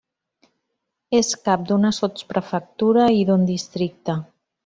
És cap d'una sotsprefectura i d'un districte.